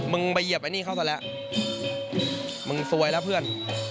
มึงไปเหยียบไอ้นี่เขาซะแล้วมึงซวยแล้วเพื่อน